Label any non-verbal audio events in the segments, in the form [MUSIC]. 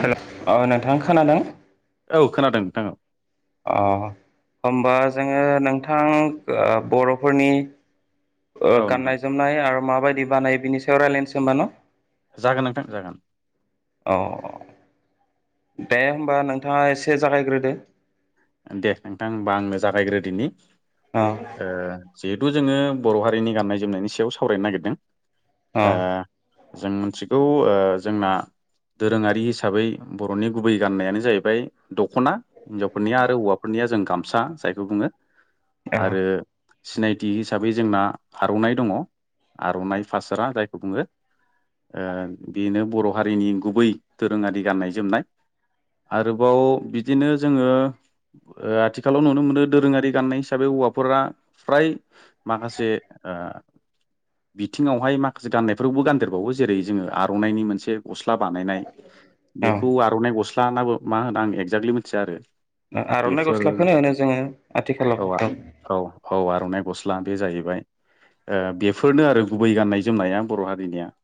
हेल' औ नोंथां खोनादों । नोंथां औ खोनादों नोंथां औ अ हमबा जोङो नोंथां ओ बर'फोरनि ओ औ नोंथां गाननाय जोमनाय आरो माबायदि बानायो बिनि सायाव रायलायनोसै होमबा न'? जागोन नोंथां जागोन । औ दे होमबा नोंथाङा एसे जागायग्रोदो । दे नोंथां होनबा आंनो जागायग्रो दिनि अ ओ जिहेथु जोङो बर' हारिनि गाननाय जोमनायनि सायाव सावरायनो नागिरदों अ ओ जों मोनथिगौ ओ जोंना दोरोङारि हिसाबै बर'नि गुबै गाननायानो जाहैबाय दख'ना । फोरनिया आरो हौवाफोरनिया जों गामसा जायखौ बुङो आरो औ सिनायथि हिसाबै जोंना आर'नाइ दङ आर'नाइ फास्रा जायखौ बुङो । ओ बेनो बर' हारिनि गुबै दोरोङारि गाननाय जोमनाय । आरोबाव बिदिनो जोङो [INAUDIBLE] ओ आथिखालाव नुनो मोनो दोरोङारि गाननाय हिसाबै हौवाफोरा फ्राय माखासे ओ [INAUDIBLE] बिथिङावहाय माखासे गाननायफोरखौबो गानदेरबावो जेरै जोङो आर'नाइनि मोनसे गस्ला बानायनाय औ बेखौ आर'नाइ गस्ला नाबो मा होनो आं एक्जाकलि मिथिया आरो आर'नाइ बेफोर गस्लाखौनो होनो जोङो आथिखालाव औ औ औ । आर'नाइ गस्ला बे जाहैबाय । ओ बेफोरनो आरो गुबै गाननाय जोमनाया बर' हारिनिया ।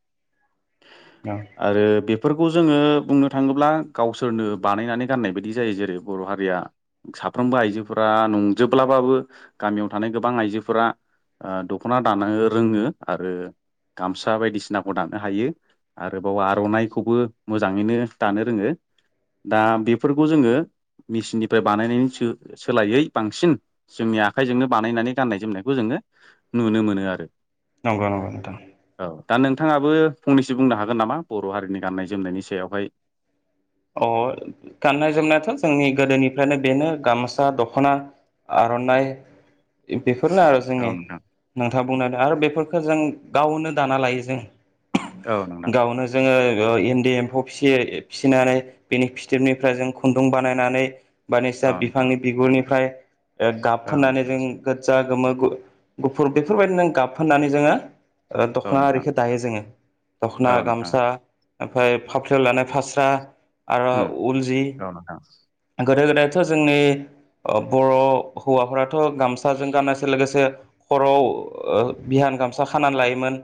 औ आरो बे फोरखौ जोङो बुंनो थाङोब्ला गावसोरनो बानायनानै गाननाय बायदि जायो जेरै बर' हारि साख्रिया साफ्रोमबो आइजोफोरा नंजोब्लाबाबो गामियाव थानाय गोबां आइजोफोरा ओ द'खना दानो रोङो आरो गामसा बायदिसिनाखौ दानो हायो। आरोबाव आर'नाइखौबो मोजाङैनो दानो रोङो । दा बेफोरखौ जोङो मेसिननिफ्राय बानायनायनि सो सोलायै बांसिन जोंनि आखाइजोंनो बानायनानै गाननाय जोमनायखौ जोङो नुनो मोनो आरो । नंगौ नंगौ नोंथां । दा नोंथाङाबो फंनैसो बुंनो हागोन नामा बर' हारिनि गान्नाय जोमनायनि सायावहाय? अ गाननाय जोमनायाथ' जोंनि गोदोनिफ्रायनो बेनो गामसा द'खना आर'नाइ बेफोरनो आरो औ जोंनि नोंथां नोंथाङा बुंनानै आरो बेफोर बेखौ जों गावनो दाना लायो जों औ नोंथां गावनो जोङो ओ इन्दि एम्फौ फिसिनानै बेनि फिथोबनिफ्राय जों खुन्दुं बानायनानै बानिसा औ नोंथां बिफांनि बिगुरनिफ्राय गाब औ फोननानै नोंथां जों गो्जा गोमो गुफुर बेफोरबायदिनो गाब फोननानै जोङो औ द'खना नोंथां आरिखो दायो जोङो द'खना औ नोंथां गामसा ओमफ्राय फाफ्लियाव लानाय फास्रा आरो उम उल जि औ नोंथां गोदो गोदायथ' जोंनि बर' हौवाफोराथ' गामसाजों गाननायजों लोगोसे खर' ओ आ बिया गामसा खानानै लायोमोन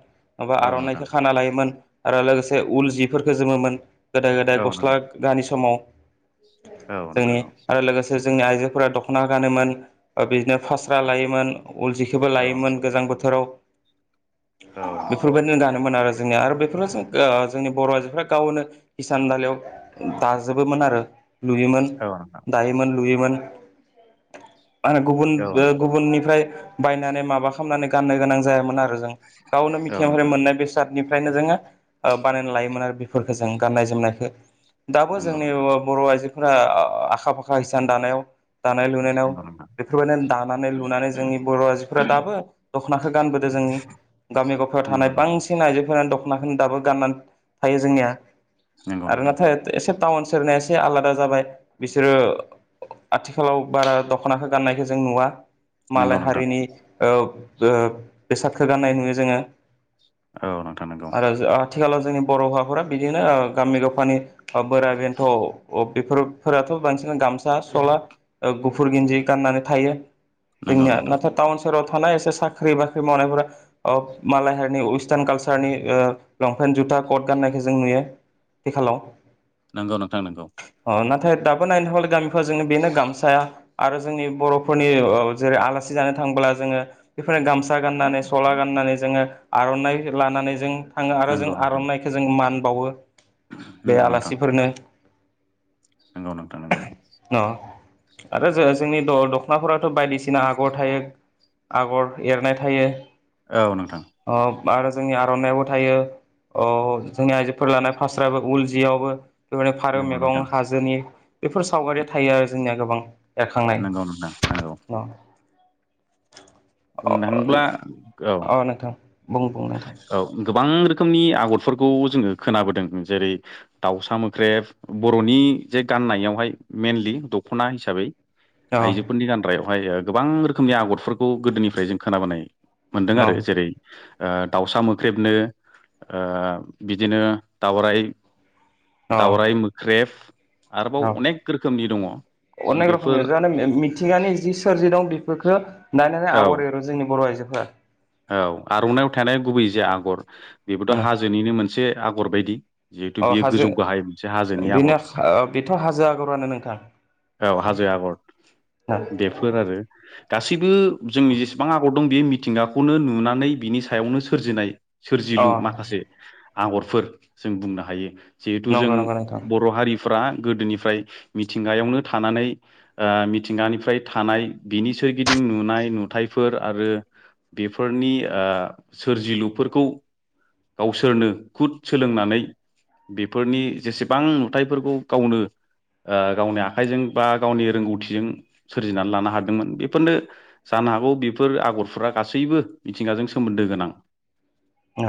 माबा औ नोंथां आर'नाइखौ खाना लायोमोन आरो लोगोसे उल जिफोरखौ जोमोमोन गोदाय गोदाय औ गस्ला नोंथां दानि समाव औ नंगौ जोंनि । आरो लोगोसे जोंनि आइजोफोरा द'खना गानोमोन बिदिनो फास्रा लायोमोन । उल जिखोबो औ लायोमोन गोजां बोथोराव औ नोंथां बेफोरबायदिनो गानोमोन आरो जोंनिया आरो बेफोर जों जोंनि बर' आइजोफ्रा गावनो हिसान दानायाव दाजोबोमोन आरो लुयोमोन औ नोंथां दायोमोन लुयोमोन माहोनो गुबुन औ नोंथां गुबुननिफ्राय बायनानै माबा खालामनानै गाननो गोनां जायामोन आरो गावनो औ मिथिं महरारि नोंथां मोननाय बेसादनिफ्रायनो जोङो बानायना लायोमोन आरो बेफोरफोरखौ जों गाननाय जोमनायखो दाबो नंगौ जोंनि नोंथां बर' आइजो फोरा आखा फाखा हिसान दानायाव दानाय लुनायाव नंगौ नोंथां बेफोरबायदिनो दानानै लुनानै जोंनि बर' आजोफोरा दाबो द'खनाखौ गानबोदों जों जोंनि गामि गफायाव थानाय बांसिन आइजोफोरनि द'खनाफोरनो दाबो गाननानै थायो जोंनिया नांगौ आरो नोंथां । नाथाय एसे टाउन सेरनाया एसे आलादा जाबाय बिसोरो आथिखालाव बारा द'खनाखौ गाननायखौ जों नुवा । नंगौ नोंथां मालाय नंगौ नोंथां हारिनि ओ बेसादखौ गाननाय नुयो जोङो । औ नोंथां नोंगौ । आथिखालाव जोंनि बर' हौवाफोरा बिदिनो गामि गफानि ओ बोरा बेन्थ' बेफोरफोराथ' बांसिन गामसा सला गुफुर गिन्ज गाननानै थायो जोंनिया नाथाय टाउन सहेराव थानाय एसे साख्रि बाख्रि मावनायफोरा मालाय हारि वेस्टार्न काल्चारनि लंपेन्ट जुथा कट गा नायखौ जों नुयो आथिखालाव नंगौ नोंथां नोंगौ । अ नाथाय दाबो नायनो थांब्ला गामिफोराव जों बेनो गामसाया आरो जोंनि बर'फोरनि जेरै आलासि जानो थां थांब्ला जोङो बेफोरनो गामसा गाननानै सला गाननानै जोङो आर'नाइ लानानै जों थाङो आरो जों नंगौ नोंथां आर'नाइखौ जों मान बावो। नंगौ नोंथां । इफोरनो नोंथां नंगौ नोंथां नंगौ अ आरो जो जोंनि दख'नाफोराथ' बायदिसिना आगर थायो । आगर एरनाय थायो । औ नोंथां। आरो जोंनि आर'नायावबो थायो अ जोंनि आइजोफोर लानाय फास्रायावबो उल जियावबो बेबायदिनो फारौ नंगौ नोंथां मेगन हाजोनि बेफोर सावगारिया थायो आरो जोंनिया गोबां एरखांनाय नंगौ नोंथां नंगौ न' बुंनो थाङोब्ला अ औ नोंथां बुं बुं नोंथां औ गोबां रोखोम रोखोमनि आगरफोरखौ जोङो खोनाबोदों जेरै दाउसा मोख्रेब बर'नि जे गा गाननायावहाय मेनलि दख'ना हिसाबै औ आइजोफोरनि गानग्रायावहाय गोबां रोखोमनि आगरफोरखौ गोदोनिफ्राय जों खोनाबोनाय मोनदों औ आरो जेरै ओ दाउसा मोख्रेबनो ओ बिदिनो दावराय औ दावराय मोख्रेब । आरोबाव औ अनेक रोखोमनि दं । अनेक रोखोमनि जे मिथिंगानि जि सोरजि दं बेफोरखौ दानि औ आगर एरो जोंनि बर' आइजोफोरा औ आर'नाइाव थानाय गुबै जे आगर बेबोथ' अ हाजोनिनो मोनसे आगर बायदि जिहेतु बियो हाजो गोजौ गाहाय मोनसे हाजोनि आगर बेनो बेथ' हाजो आगरानो नोंथां । औ हाजो आगर बेफोर आरो दा गासैबो जोंनि जेसेबां आगर दं बे मिथिंगाखौनो नुनानै बिनि सायावनो सोरजिनाय । अ सोरजिलु माखासे आगरफोर जों बुंनो हायो । जिहेथु जों नंगौ नंगौ नोंथां बर' हारिफ्रा गोदोनिफ्राय मिथिंगायावनो थानानै ओ मिथिंगानिफ्राय थानाय बिनि सोरगिदिं नुनाय नुथाइफोर आरो बेफोरनि ओ सोरजिलुफोरखौ गावसोरनो कुद सोलोंनानै बेफोरनि जेसेबां नुथायफोरखौ गावनो ओ गावनि आखाइजों बा गावनि रोंगौथिजों सोरजिनानै लानो हादोंमोन बेफोरनो जा जानो हौ बेफोर आगरफोरा गासैबो मिथिंगाजों सोमोन्दो गोनां औ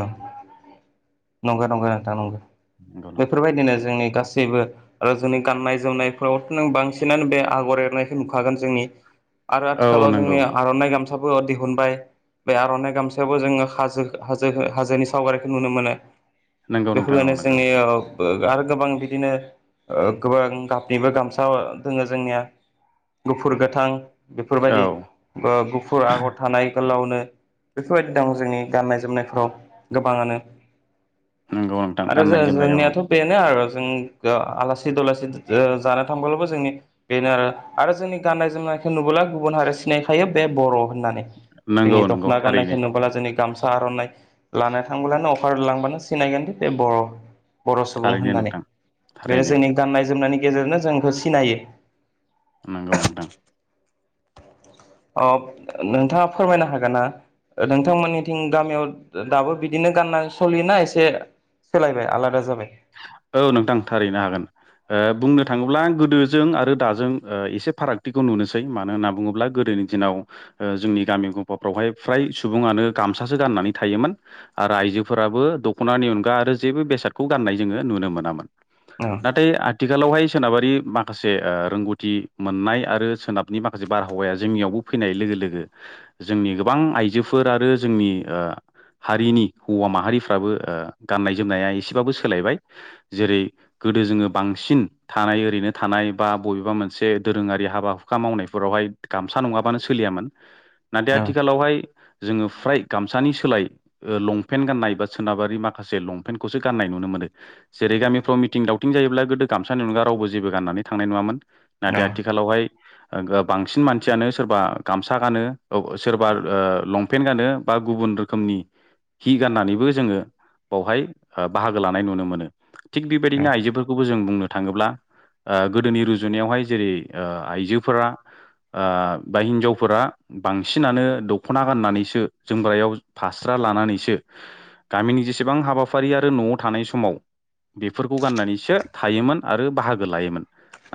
नंगौ नंगौ नोंथां नंगौ नंगौ नोंथां बेफोरबायदिनो जोंनि गासैबो गासैबो आरो जोंनि गाननाय जोमनायफोरावथ' नों बांसिनानो बे आगर एरनायखौ नुखागोन जोंनि आरो औ आथिखालाव नंगौ जोंनि आर'नाइ गामसाबो दिहुनबाय बे आर'नाइ गामसायावबो जोङो हाजो हाजो हाजोनि सावगारिखौ नुनो मोनो नंगौ नोंथां बेफोरनो औ नंगौ जोंनि औ आरो गोबां बिदिनो गोबां गाबनिबो गामसा दोङो जोंनिया गुफुर गोथां औ बेफोरबायदि ओ गुफुर आगर थानाय गोलावनो बेफोरबायदि दं जोंनि गाननाय जोमनायफ्राव गोबाङानो नंगौ नोंथां आरो गाननाय जोमनायाव जोंनियाथ' बेनो आरो जों आलासि दुलासि जानो थांब्लाबो जोंनि बेनो आरो आरो जोंनि गाननाय जोमनाय नुबोला गुबुन हारि सिनायखायो बे बर' होननानै नंगौ जोंनि नंगौ दख'ना गाननायखौ थारैनो नुब्ला जोंनि गामसा आर'नाइ लाना थांब्लानो अफार लांब्लानो सिनायगोनदि बे बर' बर' सुबुं थारैनो होननानै नोंथां बे थारैनो जोंनि गाननाय जोमनायनि गेजेरजोंनो जोंखौ सिनायो नगौ नोंथां अ नोंथाङा फोरमायनो हागोन ना ओ नोंथांमोननिथिं गामियाव दाबो बिदिनो गाननाय सलियोना एसे सोलायबाय आलादा जाबाय औ नोंथां थारैनो हागोन ओ बुंनो थाङोब्ला गोदोजों आरो दाजों ओ एसे फारागथिखौ नुनोसै मानो होनना बुङोब्ला गोदोनि दिनाव ओ जोंनि गामि गंफाफ्रावहाय फ्राय सुबुङानो गामसासो गाननानै थायोमोन आरो आइजोफोराबो। दख'नानि अनगा आरो जेबो बेसादखौ गाननाय जोङो नुनो मोनामोन औ नाथाय आथ थिखालावहाय सोनाबारि माखासे ओ रोंगौथि मोननाय आरो सोनाबनि माखासे बारहावाया जोंनियावबो फैनाय लोगो लोगो जोंनि गोबां आइजोफोर आरो जोंनि ओ हारिनि हौवा माहारिफ्राबो ओ गाननाय जोमनाया एसेबाबो सो सोलायबाय जेरै गोदो जोङो बांसिन थानाय ओरैनो थानाय बा बबेबा मोनसे दोरोंङारि हाबा हुखा मावनायफोरावहाय गामसा नङाबानो सोलियामोन नाथाय औ आथिखालावहाय जोङो फ्राय गामसानि सोलाय ओ लंपेन्ट गाननाय बा सोनाबारि माखासे लंपेन्टखौसो गाननाय नुनो मोन जेरै गामिफ्राव मिथिं दावथिं जायोब्ला गोदो गामसानि अनगा रावबो जेबो गाननानै थांनाय नुवामोन औ नाथाय आथिखालावहाय बांसिन मानसियानो सोरबा गामसा गानो औ सोरबा ओ लंपेन्ट गानो बा गुबुन बुन रोखोमनि हि गनानैबो जोङो बावहाय ओ बाहागो लाब नाय नुनो मोनो थिग बेबायदिनो औ आइजोफोरखौबो जों बुंनो थाङोब्ला ओ गोदोनि रुजुनायावहाय जेरै ओ आइजोफोरा ओ बा हिनजावफोरा बांसिनानो दख'ना गाननानैसो जोमग्रायाव फास्र- रा लानानैसो गामिनि जेसिबां हाबाफारि आरो न'आव थानाय समाव बेफोरखौ गाननानैसो थायोमोन आरो बाहागो लायोमोन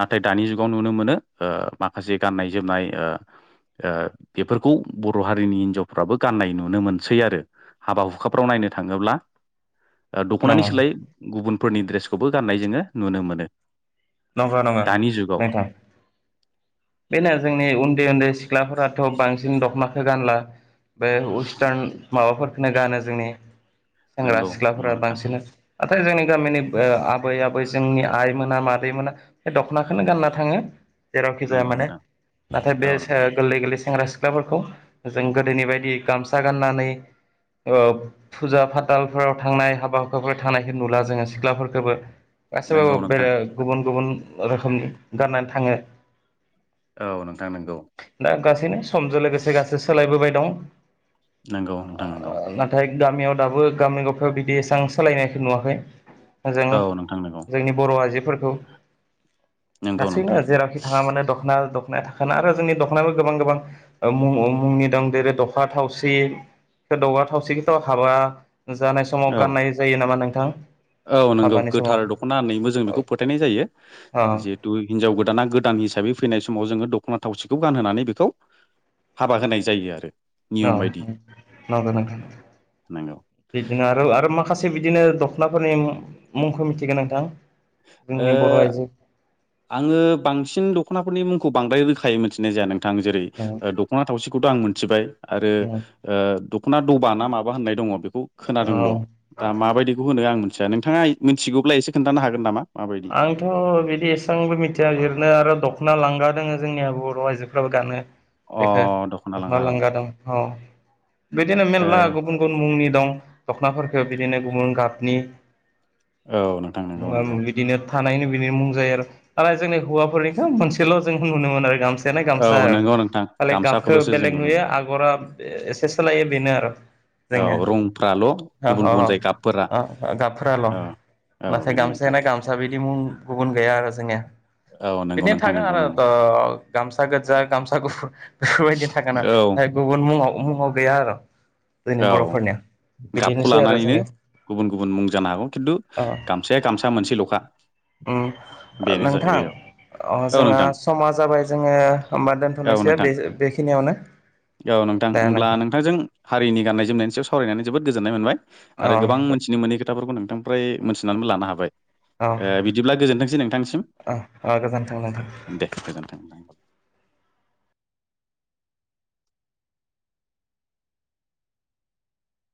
नाथाय दानि जुगाव नुनो मोनो ओ माखासे गाननाय जोमनाय ओ ओ बेफोरखौ बर' हारिनि हिनजावफ्राबो गाननाय नुनो मोनसै आरो‌ हाबा हुखाफ्राव नायनो थाङोब्ला ओद अ ख'नानि सोलाय गुबुनफोरनि द्रेसखौबो गाननाय जोङो नुनो मोनो नंगा नङा दानि जुगाव नोंथां बेनो जोंनि उन्दै उन्दै सिख्लाफोराथ थ' बांसिन दख'नाखौ गानला बे वस्टार्न माबाफोरखोनो गानो जोंनि सेंग्रा नंगौ नंगौ सिख्लाफोरा नोंथां बांसिन नाथाय जोंनि गामिनिब ओ आबै आबै जोंनि आइमोना मा दैमोना बे दख'नाखोनो गानना थाङो जेरावखि जाया नंगौ माने नोंथां नाथाय बे औ से नोंथां गोरलै गोरलै सेंग्रा सि ख्लाफोरखौ जों गोदोनि बायदि गामसा गाननानै ओ फुजा फाथालफोराव थांनाय हाबा हुखाफोराव थांनायखो नुला जोङो सिख्लाफोरखोबो नंगौ गाैसैबाबो बेर नोंथां गुबुन गुबुन रोखोमनि गाननानै थाङो औ नोंथां नोंगौ दा गासैनो समजो लोगोसे गासै सोलायबोबाय दं नोंगौ नोंथां नोंगौ नाथाय गामियाव दाबो गामि गफायाव बिदि एसेबां सालायनायखो नुवाखै जों औ नोंथां नंगौ जोंनि बर' आइजोफोरखौ नंगौ नोंथां गासैनो जेरावखि थाङा माने दखना दख नाया थाखाना आरो जोंनि दख'नायाबो गोबां गोबां मु मुंनि दं देरै दख' थावसि गोदावा थावसि गोथ हाबा जानाय समाव औ गाननाय जायो नामा नोंथां औ नोंगौ हाबानि गोथार समाव दख'ना होननायबो जों बेखौ फोथायनाय ज जायो औ जिहेथु हिनजाव गोदाना गोदान हिसाबै फैनाय समाव जोंङो दख खना थावसिखौ गानहोनानै बेखौ हाबा होनाय जायो आरो नो नियम बायदि नोंगो नोंथां नंगौ बिदिनो आरो आरो माखासे बिदिनो दख'नाफोरनि मु मुंखो मिथिगोन नोंथां ओ जोंनि बर' आइजो आङो बांसिन दख'नाफोरनि मुंखौ बांद्राय रोखायै मिथिनाय जाया नोंथां जेरै उम दख'ना थावसिख खौथ' आं मोनथिबाय आरो उम ओ दख'ना दबा ना माबा होननाय दङ बेखौ औ खोनादोंल' दा माबायदिखौ होनो आं मिथिया नोंथाङा मिथिगौब्ला एसे खोन्थानो हागोन नामा माबायदि आंथ' बिदि एस आंबो मिथिया बिरनो आरो दख'ना लाग्रा दोङो जोंनिया बर' आइजोफ्राबो गानो अ बेखो लांगा दख'ना औ लानग्रा दं थ बिदिनो ओ मेलला गुबुन गुबुन मुंनि दं दख'नाफोरखौ बिदिनो गुबुन गाबनि औ नोंथां नोंगौ नोंगौ बिदिनो थानायनो बिनिनो मुं जायो आरो आरो जोंनि हौवाफोरनिखौ मोनसेल' जों नुनो मोनो आरो गामसा दानाय गामसा औ आरो नंगौ नोंथां खालि गाबखौ गामसाखौल'सो जों बेलेग नुनो नुयो मोनो आगरा एसे सोलायो बेनो आरो जोंनिया औ रंफ्राल' अ गुबुन गुबुन जायो गाबफोरा अ अ गाबफोराल' औ औ नाथाय बेनो नोंथां [UNINTELLIGIBLE] बिदि मुं गुबुन गैया आरो जोंनिया औ नंगौ बिदिनो नोंथां थागोन नंगौ आरो ओ नंगौ ओ गामसा गोजा गामसा गुफुर बेफोरबायदि थागोना औ गुबुन मुङाव मुङाव गैया आरो जोंनि औ बर'फोरनिया गाबखौ बिदिनोसै आरो लानानैनो जोंनि गुबुन गुबुन मुं जानो हागौ खिन्थु गामसाया गामसा मोनसेल'खा उम बेनो नोंथां जाहैबाय औ अ औ जोंहा नोंथां समा जाबाय जोङो होमबा औ दोनथ'नोसै नोंथां बे बेखिनियावनो औ नोंथां होमब्ला नोंथांजों हारिनि गाननाय जोमनायनि सायाव सावरायनानै जोबोद गोजोननाय मोनबाय औ आरो गोबां मोनथिनो मोनै खोथाफोरखौ नोंथांनिफ्राय मोनथिनानैबो लानो हाबाय औ ओ बिदिब्ला गोजोनथोंसै नोंथांसिम। औ गोजोन्थों नोंथां [INAUDIBLE] दे गोजोन्थों दे।